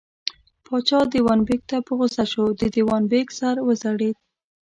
پاچا دېوان بېګ ته په غوسه شو، د دېوان بېګ سر وځړېد.